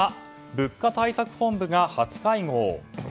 物価対策本部が初会合。